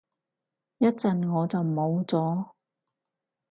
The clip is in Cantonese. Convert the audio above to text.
一陣我就冇咗